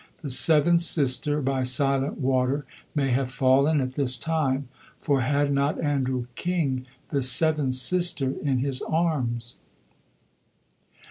The Seventh Sister by Silent Water may have fallen at this time; for had not Andrew King the Seventh Sister in his arms?